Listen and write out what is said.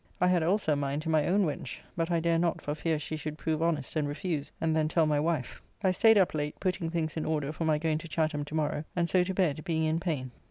I had also a mind to my own wench, but I dare not for fear she should prove honest and refuse and then tell my wife. I staid up late, putting things in order for my going to Chatham to morrow, and so to bed, being in pain...